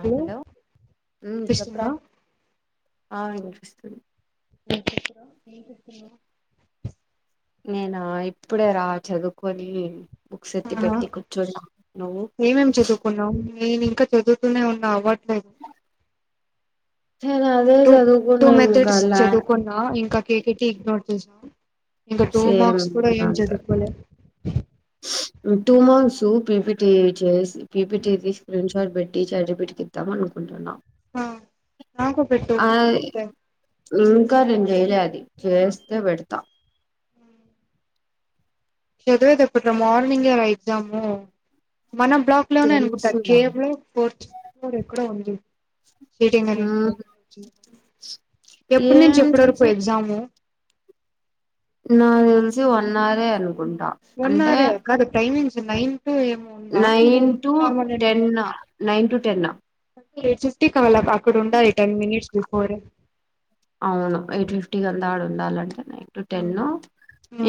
Hello ఉమ్ చెప్పురా వినిపిస్తుందా ఆ వినిపిస్తుంది ఏం చేస్తూ ఏం చేస్తున్నావ్ నేను ఇప్పుడే రా చదువుకొని బుక్స్ ఎత్తి ఆహా పెట్టి కూర్చోన్నా నువ్వు ఏమేం చదువుకున్నావు నేను ఇంకా చదువుతూనే ఉన్నా అవ నేను అదే టూ టూ చదువుకున్నా ఇంకా మెథడ్స్ లా చదువుకున్నా ఇంకా కేటిటి ఇగ్నో [unintelligible] ఇంకా టూ సేమ్ మర్క్స్ కూడా ఏం అంతే చదువుకోలే టూ మర్క్స్ పీపీటీ చేసి పీపీటీ తీ స్క్రీన్ షట్ పెట్టి చాట్ జీపీటీ కి ఇద్దాం అనుకుంటున్నా ఆ నాకు ఆ పెట్టుకుంటే ఇంకా నేను చెయ్యాలె అది చేస్తే పెడతా చదువేదేప్పడు మార్నింగ్ గే రా ఇద్దాము. మన బ్లాక్ లోనే అనుకుంటా కే తెలుసురా బ్లాక్ ఫోర్త్ ఫ్లోర్ ఎక్కడో ఉంది. ఉమ్ ఎప్పటి నుంచి ఏం ఎప్పటి చేస్ వరకు ఎగ్జాము నాక్ తెలిసి వన్ అవరే అనుకుంట. వన్ అవరే కాదు timing ninth nine to ten nine to ten late [unintelligible] కవాల [unintelligible] ఇక్కడ ఉండా ఐటమ్ మింగేసిండు పోరి అవును ఎయిట్ ఫిఫ్టీ కంతా ఆడ ఉండాలంటే నైన్ టు టెన్ ఉమ్.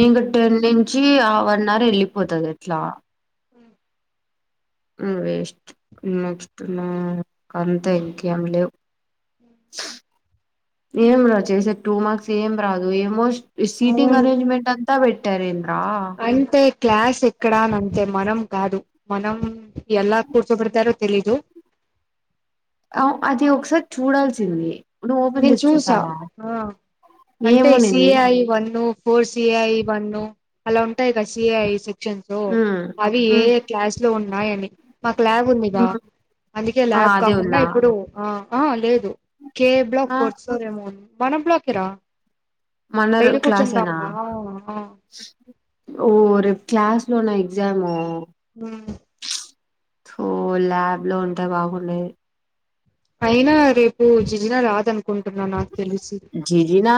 ఇకా టెన్నింగ్ ఛీ వన్ అవర్ వెళ్ళిపోతది ఎట్లా వేస్ట్ నెక్స్ట్ నాకంతె ఇంకేం లేవు ఏం రా చేసె టూ మార్క్స్ ఏం రాదు ఏమోస్ అయితే క్లాస్ ఎక్కడానంతే మనం కాదు మనం ఎలా కుర్చోబెడతారో తెలీదు ఆ అది ఒకసారి చూడాల్సింది. నువ్వు ఓపెన్ నేను చేసి చూసా చూసావా ఆ అంటే ఏమునింది CI one four CI one అలా ఉంటాయి. కదా సి ఐ స్ ఉమ్ అవి ఏ ఉమ్ ఏ క్లాస్ లో ఉ నాయ్యండి మాకు ల్యాబ్ ఉంది. రా ఉమ్ అందుకే ఆ ల్యాబ్ అదే కాకుండా ఉందా ఇప్పుడు ఆ ఆ లేదు కేప్ ఆ కూర్చుంరేమో మన బ్లాకెరా మన్నర్ క్లాసేనా ఆ ఓరి క్లాస్ లోన ఎక్జాము ఊ తూ ల్యాబ్ లో ఉంటే బాగుండేది అయినా రేపు జిజిన రాదను కుంటున్నా నాకు తెలిసి జిజినా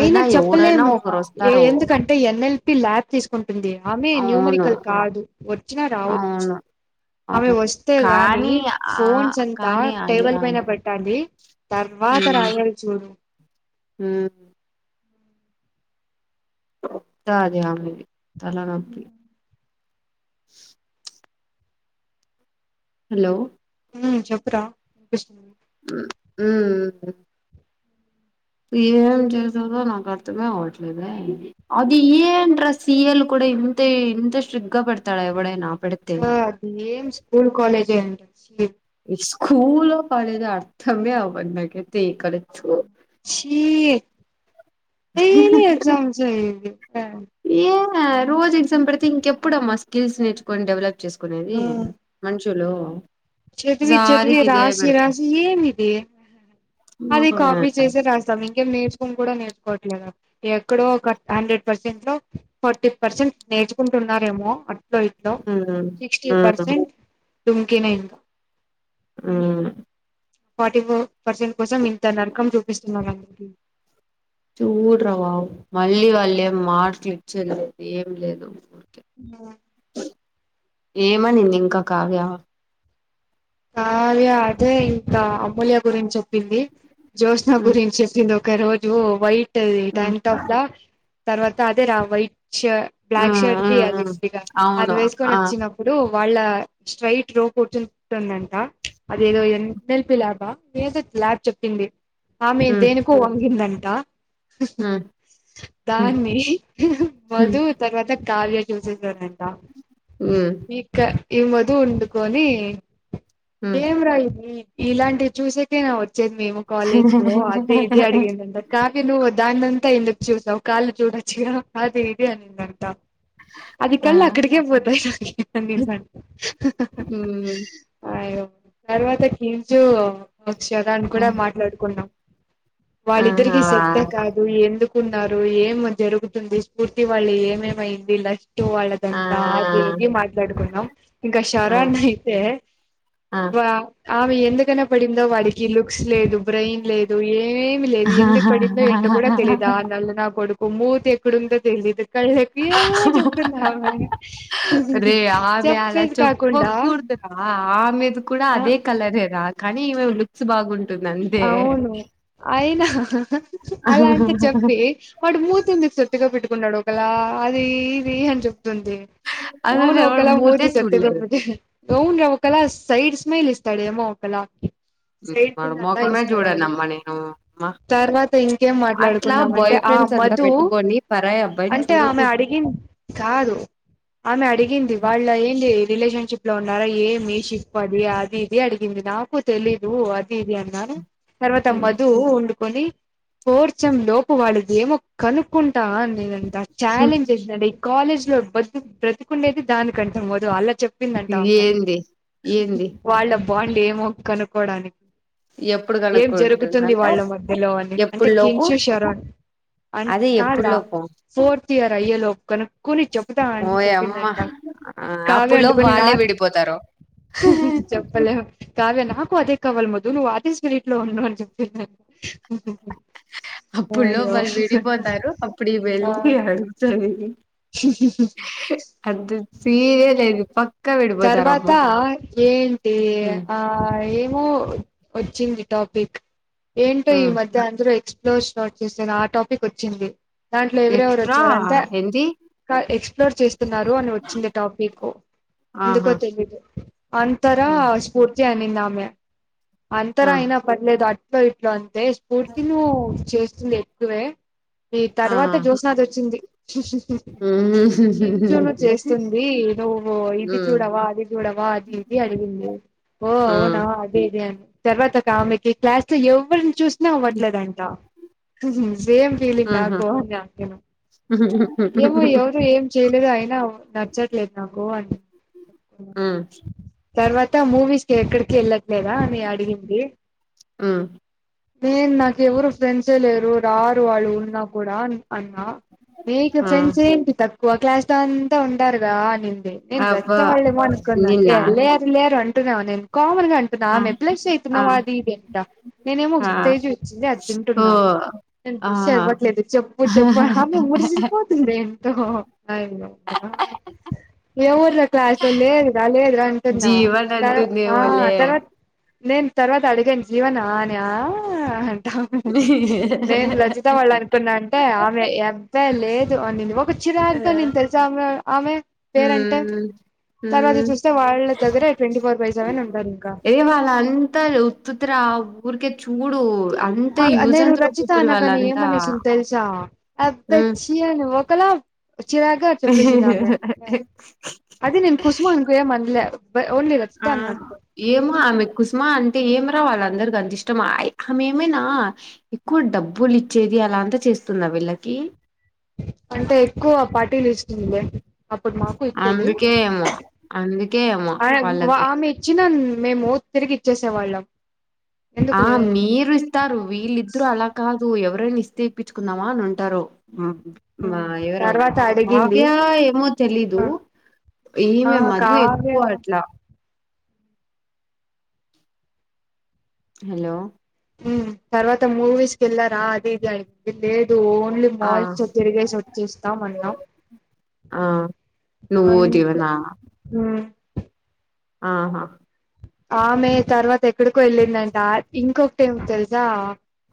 అయినా ఎవరైనా చెప్పలేమురా ఒకరు వస్తారు ఎందుకంటే ఎన్ఎల్ కి ల్యాబ్ తీసుకుం ఉంది ఆమె అవును న్యూమరికల్ కాదు వచ్చినా రావచ్చు అవును ఆమె అవును వస్తే గానీ కానీ ఆ ఫోన్స్ అంతా కానీ అది టేబుల్ రాదు పైన పెట్టాలి తర్వాత ఉమ్ రాయాలి చూడు ఉమ్ అది ఆమెది తలనొప్పి హలో ఉమ్ చెప్పురా క ఊ ఏం చేసెదో నాకు అర్థమే అవట్లేదే అది ఏంట్ర సీయల్ కూడా ఇంత ఇంత ఇంట్రెస్టి గా పెడతాడ ఎవడైన ఆ అది ఏం స్కూల్ కాలేజే అంట శ స్కూల్లో పడేదే అర్థమే అవద్ నాకైత్ ఛీ డైలీ ఎగ్జామ్సే ఆ రోజూ ఎగ్జామ్ పేడితే ఇంకేప్పుడమ్మా స్కిల్స్ నేర్చుకొని డెవలప్ చేసుకునేది ఉమ్ మన్షి అందులో చదివి చదివి రాసి రాసి ఏమిది అదే కాపి ఉమ్ చేసే రాస్తాం ఇంకేం నేర్చుకోను కూడా నేర్చుకోవట్లేదు ఎక్కడో ఒక హండ్రెడ్ పర్సెంట్ లో ఫార్టీ పర్సెంట్ నేర్చుకుంటున్నారేమో అట్లో ఇట్లో సిక్స్టీ ఉమ్ పర్సెంట్ డుంకి నే ఇంకా ఊ ఫార్టీ ఫోర్ పర్సెంట్ కోసం ఇంత నరకం చూపిస్తున్నారు అందరికి చూడ్రవా మళ్ళీ వాళ్ళ ఏం మార్కులు ఇచ్చేలేదు ఏం లేదు ఆ ఏమనింది ఇంకా కావ్య కావ్యా అదే ఇంకా అమూల్య గురించి చెప్పింది జ్యోస్న ఉమ్ గురించెప్పింది ఒక ఒకరోజు వైట్ ట్ ది ఉమ్ టైంటాప్లా తర్వాత అదే రా వైట్ షర్ బ్లాక్ ఉమ్ షర్ట్ది ఉమ్ అది ఉమ్ ఉందిగా అది అవును ఆ వేసుకొనచ్చినప్పుడు వాళ్ళ స్ట్రైట్రో కూర్చొ కూర్చోదంట అదేదో ఎన్ ఎల్ పి ల్యాబ ఏదో ల్యాబ్ చెప్పింది ఆమె ఉమ్ దేనికో వంగిందంట ట ఉమ్ ఉమ్ దాన్ని మధు తర్వాత కావ్య చూసేసారంట ఉమ్ అ వీక్కా ఈ మధు ఉండుకొని ఉమ్ ఏం రా ఇది ఇలాంటివి చూసేకేనా వచ్ చ్చేది మేము కాలేజ్లో అది ఇది అడిగందంట కాఫీలు వ దాన్నంతా ఎందుకు చూసావ్ కాలు చూడచ్చుగా అది ఇది అనిందంట అది ఆ కల్లు అక్కడికే పోతాయి అనిందంట ఉమ్ అయ్యో తర్వాత కేజూ వచ్చే దాన్ని కూడా మాట్లాడుకున్నాం ఆ వాళ్ళిద్దరికి సెట్టే కాదు ఎందుకు ఉన్నారు ఏమో జరుగుతుంది స్పూర్తి వాళ్ళు ఏమేమయింది ల టు ఆ వాళ్ళదంతా అది ఆ ఇది మాట్లాడుకున్నాం ఇంకా ఆ శరాన్ అయితే ఆ వా ఆమె ఎందుకనా పడిందో వాడికి లుక్స్ లేదు బ్రెయిన్ లేదు ఏ ఏమి లేదు ఎందుకు పడిందో ఏంటో కూడా తెలీదు ఆ నల్ల నా కొడుక్ మూతి ఎక్కడుందో తెలీదు కళ్ళకి ఏమో చెప్తుంద రే ఆమె చెప్స్ అలా కాకుండా చెప్పకూడదురా ఆమెది కూడా ఆ అదే కలరే రా కానీ ఈమెవి లుక్స్ బాగుంట అవును అయినా అలాంటి చెప్పి వాడు మూతిందెకు చె తిగా పెట్టుకున్నాడు ఒకలా ఈది అని జె ఉంది అసలు ఓను ఎవడు ఒకలా మూతే మూతి సొట్టగా చూడలేదు పెట్టు అవును ఓ కళ సైడ్ స్మైల్ ఇస్తాడు ఏమో ఒక ల హ్ సర్లే ఇస్తాడాడు. తర్వాత ఇంకేం అట్లా మాట్లాడుకున్నామంటే బాయ్ ఆ ఫ్రెండ్స్ అంతా మధు పెట్టుకొని పరాయి అబ్బాయిని అంటే ఆమె చూడకూడదు అడిగింది. కాదు ఆమె అడిగింది వాళ్ళ ఏంటి రిలేషన్షిప్ లో ఉన్నారా ఏ మి షిప్ అది అది ఇది అడిగింది నాకు తెలీదు అది అన్నాను తర్వాత ఉమ్. మదు ఉండు కొని పోర్చం లోపు వాళ్ళది ఏమో కనుక్కుంటా అని నేను చాలెంజ్ చేసినాడు కాలేజ్ లో బదు బ్రతికుండేది దానికి కంట మాదు అలా చెప్ చెప్పిందంట ఆమె ఏంది ఏంది వాళ్ళ బాగుండి ఏమో కనుక్కోవడానికి ఎప్పుడు ఏం జరుగుతుంది కనుక్కుంటుందంట వాళ్ళ మధ్యలో అని అంటే ఎప్పుడు లోపు కించు షరణ్ అన్ అదే కాద్ ఎప్పుడు రా లోపు ఫోర్త్ తయారయ్యే లోపూ కన్ కొన్ని చెబుతాం అండి. ఓయమ్మ చెప్పిందంట ఆ కావ్య అప్పుడులో అండి కొన్ని వాళ్ళే నాకు విడిపోతారు చెప్పలేము కావ్య నాకు అదే కవల్ మొ నును వాటి స్పిరిట్ లో ఉన్నావు అనీ చెప్పిందంత అప్పుడు లో వళ్ళు విడిపోతారు. అప్పుడు ఆ వెళ్ళి అడుగుతుంది అది సీనే లేదు పక్క తర్వాత ఏంటి ఉమ్ ఆ ఏం ము వచ్చింది టాపిక్ ఏంటో ఈ ఉమ్ మధ్య అందరూ ఎక్స్పీ క్లోర్స్ స్టార్ట్ చేశాను ఆ టాపిక్ వచ్చింది దాంట్లో ఎవరెవరు ఎక్స్ట్రా వచ్చారంటే ఏంది క హే చ్ న్ చేస్త న్నారు వచ్చింది టాపిక్ ఎందుకో ఆహా తెలీదు అంతరా ఆ స్ఫూర్తి అని అంది ఆమె అంతర ఆ అయినా పర్లేదు అ ఇట్లా అం అ స్ఫూర్తి ను్ చే స్తుంది ఎక్కువే ఈ ఆ తర్వాత జ్యోస్నాది వోచ్చింది కించును ఉమ్ చేస్తుంది నువ్వు ఇది చూడవా అది చూడవా అది ఇది అడిగింది ఓ ఆ అవునా అదే ఇది అని తర్వాత కామెడీకి క్లాస్ లో ఎవ్వరి నిచూసినా అవ్వట్లేదంటా హుహు సేమ్ ఫీలింగ్ ఆహా నాకో అని అంటున్న ఏమో ఎవరు ఏం చేయలేదు అయినా నచ్చట్లేదు నాకు అని ఉమ్ తర్వాత త మూవీస్ కి ఎక్కడికి ఎల్ ల్లట్లే లేదా ఆమే అడిగింది ఉమ్ నేను నాకెవరు ఫ్రెండ్సే లేరు రారు వాళ్ళు ఉన్నా కూడా అన్నా నీకు ఆ ఫ్రెండ్స్ ఏంటి తక్ క్కువ క్లాస్లో అంతా ఉంటారుగా అనింది ది నేను రజిత అబ్బా వాళ్ళు ఏమోనుకున్న నిన్నా లేరు లేరు అన్నింది తున్నావా నిన్న్ కామన్ గా అంటున్నా ఆ ఆమె బ్లుష్ ఆ అయితున్నావ్ అది ఇది అంట నేనేమో ఒక ఆ స్టేజ్ వచ్చింది అది ఓ తింటున్నా నేను బ్లుష్ ఆహా అవ్వట్లేదు చెప్పు చెప్పు ఆమె ఎల్లిపోతుంది ఎం హోహో అయ్యయో ఏవురులో క్లాసులో లేదు రా లేదు అంటన్నా జీవన్ ఆ అంటుందేమోలే తర్వాత నేను తర్వాత అడిగాను జీవనా అని ఆహ్ నేను రలజిత వాళ్ళు అనుకున్నా అంటే ఆమె పే లేదు అనింది పచ్చిరాకగానింది తెలుసా ఆమె ఆమె పేరంటే హ్మ్ తర్వాత హ్మ్ చూస్తే వాళ్ళ దగర ట్వంటీ ఫోర్ బై సెవెన్ ఉం ఏ వళ్ళంతా ఉత్తుత్తి రావ్ ఉరికే చూడు అంత ఆ యూజ్ నేను అండ్ త్రో రచితా పీపుల్ అనగానే ఏం వాళ్ళంతా అనేసింది తెల్సా అబ్బా హ్మ్ చి అని ఒకలా చిరాగా చెప్పేసింది ఆమె అది నేను కుసుమ అనుకో ఏం అనలే ఓన్లీ రచిత ఆ అన్నా అంతే ఏమో ఆమె కుసుమా అం అయితే ఏం రావాలే వాళ్ళందరికి అంత ఇష్టంమా అ ఆమె ఏమైనా ఎక్కువ డబ్బులు ఇచ్చేది అలా అంతా చేస్తుందా వీళ్ళకి అంటే ఎక్కువ పార్టీలు ఇస్తుంది లే అప్పుడు మాకు ఇచ్చేది అందుకే ఏమో అందుకే ఏమో ఆ వాళ్ళకి ఆమె ఇచ్చిన మేము తిరిగి ఇచ్చేసేవాళ్ళం ఆ మీరు ఇస్తారు వీళ్ళు ఇద్దరు అలా కాద్ తు ఎవరైనా ఇస్తే తీప్పించుకుందావా అని ఉంటారు హు మా ఎవర తర్వాత అడిగింది కావ్య ఏమో తెలీదు ఆ ఈమే మధు కావ్య ఎక్కువ అట్లా హలో హు తర్వాత మూవీస్ కెల్లారా అది ఇది అడిగితే ఓన్లీ ఆ మాల్స్ తిరిగేసి వచ్చేస్తాం అన్నాం ఆ నువ్వు అంతే జీవనా హు ఆహా ఆమె తర్వాత ఎక్కడికో వెళ్ళిందంట ఇంకొకటీ ఏం తెలుసా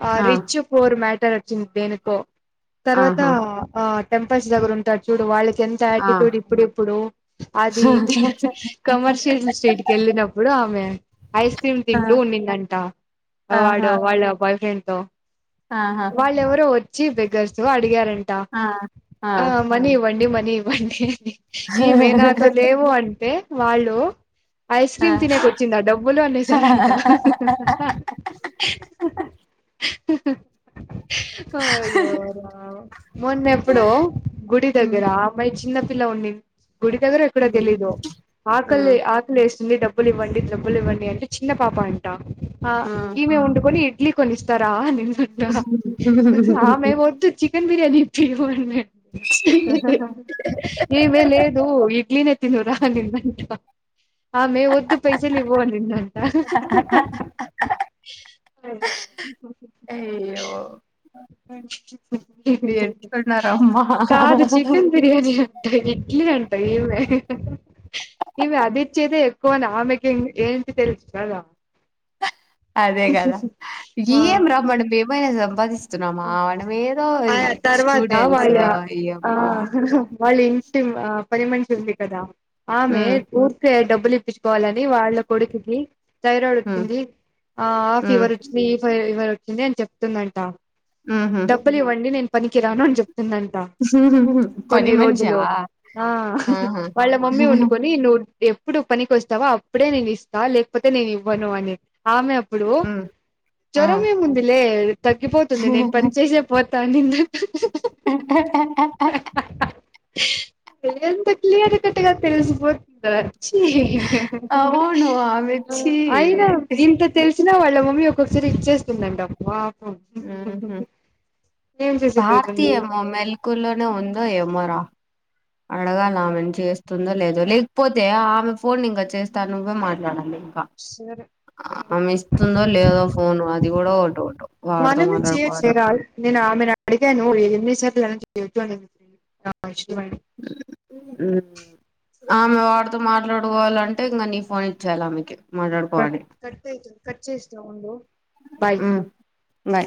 ఆ రిచ్ పోర్ మ్యాట్ టర్ వచ్చింది దేనికో తర్వాత ఆహా ఆ ఆ టెంపుల్స్ దగ్గర ఉంటారు చూడు వాలి ఆ ఎంతఆటిట్యూడ్ ఇప్పుడు ఇప్పుడు అది ఇది ని కమర్షియల్ స్ట్రీట్ కి వెళ్ళినం ప్పుడు ఆమె ఐస్ క్రీమ్ ఆ తింటూ ఉనిందంట వాడు ఆహా వాళ్ళ బాయ్ ఫ్రెండ్ లో ఆహా వాళ్ళేవరో వ చి బెగ్గర్స్తో అడిగారం టా ఆ మని ఇవ్వండి మని ని ఇవ్వండి అని ఇహ్ ఈవే నాతో లేవు అంటే వాళ్ళు ఆ కీమ్ తినేకి వచ్చిందా డబ్బులు అనేసారంట ఆహ్ అ అహ్ అయ్యో రామ మొన్న ఎప్పుడో గుడి హ్మ్ దగ్గర అమ్మాయి చిన్న పిల్లా ఉండి గుడి దగరక్క ఎక్కడో హ్మ్ తెలీదు ఆకలి హ్మ్ ఆకలి ఎస్తుంది డబ్బ బ్బులివ్వండి డబ్బులువ్వండి అంటే చిన్న పాపా అంటా ఆ ఈవే ఉండుకడి ఇడ్లి కొనిస్తారా అనిం ఆ మీరు ఏది తీవొనే. ఇమే లేదు ఇడ్లీనే తినురా అనిందంట. ఆమే వద్ద్. పైసలు ఇవ్వు అనిందంట. అయ్యో ఎట్లున్నారు అమ్మా కాదు చికెన్ బిర్యానీ అంటా ఇడ్లీ అంటా ఏమో. ఇవి అది ఇచ్చేదే ఎక్కువని ఆమెకేం ఏంటి తెలుసు కదా. అదే కదా ఆ ఏం రా మనం ఎమైనా సంపాదిస్తున్నామ. మనం ఏదో ఆ తర్వాత స్టూడెంట్స్ వాళ్ళ ఇయమ్మా. ఆహ్ పనిమనిషి ఉంది కదా ఆమె ఉమ్ పూర్తి అయ్యేటప్పు లేటీచ్చు. కోవాలని వాళ్ళ కొడుకుకి థైరాయిడ్ ఉమ్ వచ్చింది. ఆహ్ ఆ ఉమ్ ఫీవర్ వచ్చింది ఈ ఫీవర్ వచ్ వచ్చింది అని చెప్తుందంట. ఉహు డబ్బలు ఇవ్వండి నేను. పనికి రాను అని చెప్పు. వస్తుందంట పని కొన్ని మనిషా రోజులు ఆహ్ ఆహా వాళ్ళ మమ్మీ వండుకొని నువ్వు. ఎప్పుడు పనికోస్తావో అప్పుడే నేను ఇస్తా లేకపోతే నేను ఇవ్వను అనేది ఆమె. ఇప్పుడు ఉమ్ ఆ జ్వరం ఏముంది లే. తగ్గిపోతుంది నేను. పని చేసే పోతా నిన్ను. ఎంత క్లియర్ కట్గా తెలిసిపోతుందా. అవును ఆమెచ్చి అయినా ఇంత తెలిసినా వాళ్ళు. వీళ్ళ మమ్మీ ఒక్కసారి ఇచ్చేస్తుందంట మామ్. ఉమ్ ఉమ్మ్ ఏం భార్తి చేసేకైతుంది ఏమో మెల్కుల్లోనే ఉందో ఏమో. ఆహ్ అడగాలి ఆమెను చేస్తుందో లేదో లేకపోతే ఆమె ఫోన్ ఇంకా చేస్తా నువ్వే మాట్లాడాలి. సరే ఆమె ఇస్తుందో లేదో ఫోను అది కూడా ఒకటో ఒకటౌ వాడితో మాట్లాడుకోవాలి అడిగనుద ఎమిస [unintelligible] ఉమ్ ఆమె వాడితో మాట్లాడుకోవాలంటే ఇంకా నీ ఫోన్ ఇచ్చేయాలి ఆమెకి. కట్ మాట్లాడుకోవాలి కట్ అయితుంది కట్ చేస్తా ఉండు బాయ్. బాయ్